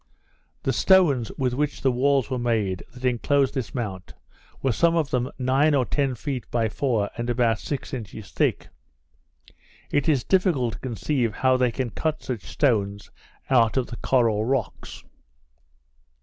The stones with which the walls were made that inclosed this mount, were some of them nine or ten feet by four, and about six inches thick. It is difficult to conceive how they can cut such stones out of the coral rocks.